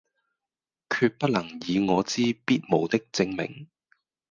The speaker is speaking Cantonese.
決不能以我之必無的證明，